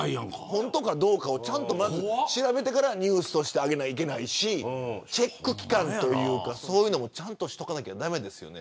本当かどうかをちゃんと調べてからニュースとして上げないといけないしチェック機関というかそういうのもちゃんとしとかなきゃ駄目ですね。